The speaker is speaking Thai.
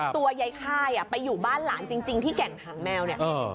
ตัวยายค่ายไปอยู่บ้านหลานจริงที่แก่งหางแมวเนี่ย